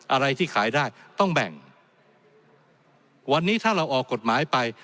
อะไรที่ขายได้ต้องแบ่งวันนี้ถ้าเราออกกฎหมายไป